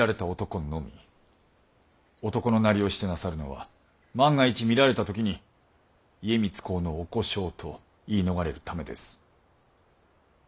男のなりをしてなさるのは万が一見られた時に家光公のお小姓と言い逃れるためです。